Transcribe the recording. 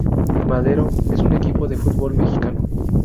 Madero es un equipo de fútbol mexicano.